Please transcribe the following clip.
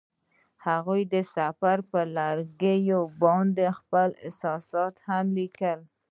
هغوی د سفر پر لرګي باندې خپل احساسات هم لیکل.